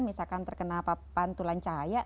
misalkan terkena pantulan cahaya